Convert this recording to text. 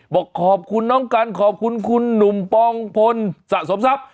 บอกขอบคุณน้องกันขอบคุณคุณหนุ่มปองพลสะสมทรัพย์